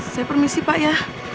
saya permisi pak ya